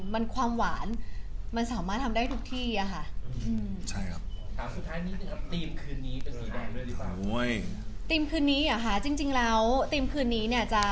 มันความหวานมันสามารถทำได้ทุกที่อะค่ะ